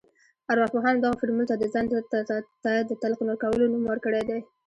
ارواپوهانو دغه فورمول ته د ځان ته د تلقين کولو نوم ورکړی دی.